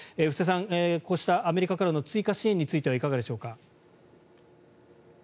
布施さん、こうしたアメリカからの追加支援についてはいかがでしょうか？